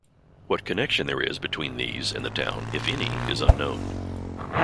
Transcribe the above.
What connection there is between these and the town, if any, is unknown.